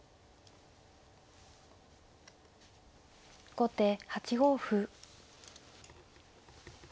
後手８五歩。